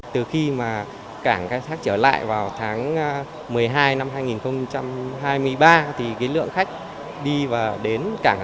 từ khi mà cảng khai thác trở lại vào tháng một mươi hai năm hai nghìn hai mươi ba thì cái lượng khách đi và đến cảng